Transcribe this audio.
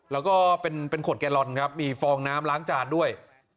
แล้วก็เป็นขวดแกลลอนครับมีฟองน้ำล้างจานด้วย